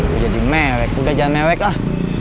lu jadi mewek udah jangan mewek lah